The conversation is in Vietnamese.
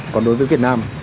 còn đối với việt nam